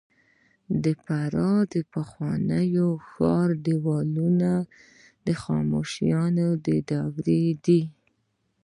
د فراه د پخواني ښار دیوالونه د هخامنشي دورې دي